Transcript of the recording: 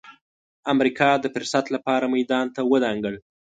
امریکا د فرصت لپاره میدان ته ودانګل.